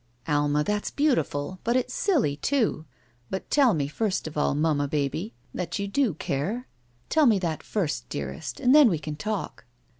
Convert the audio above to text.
"Alma, that's beautiful, but it's silly, too. But tell me first of all, mamma baby, that you do care. Tell me that first, dearest, and then we can talk."